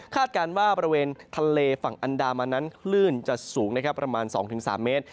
การว่าบริเวณทะเลฝั่งอันดามันนั้นคลื่นจะสูงประมาณ๒๓เมตร